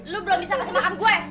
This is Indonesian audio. lu belum bisa ngasih makan gue